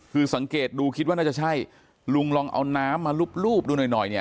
คือสังเกตดูคิดว่าน่าจะใช่ลุงลองเอาน้ำมาลูบดูหน่อยหน่อยเนี่ย